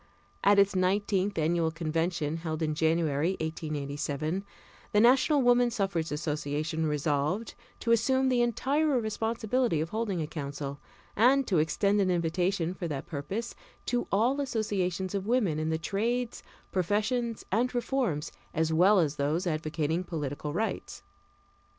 At its nineteenth annual convention, held in January, 1887, the National Woman Suffrage Association resolved to assume the entire responsibility of holding a council, and to extend an invitation, for that purpose, to all associations of women in the trades, professions, and reforms, as well as those advocating political rights.